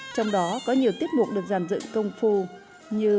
trong đó có nhiều tiết mục được giàn dựng công phu như